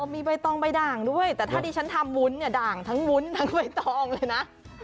มีใบตองใบด่างด้วยแต่ถ้าดิฉันทำวุ้นเนี่ยด่างทั้งวุ้นทั้งใบตองเลยนะ